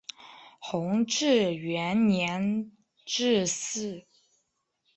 弘治元年致仕。